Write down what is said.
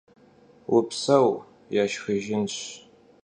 Vupseu, yêsxıjjınş.